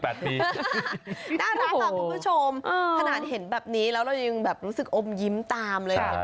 น่ารักค่ะคุณผู้ชมขนาดเห็นแบบนี้แล้วเรายังแบบรู้สึกอมยิ้มตามเลย